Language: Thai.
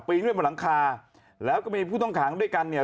ด้วยบนหลังคาแล้วก็มีผู้ต้องขังด้วยกันเนี่ย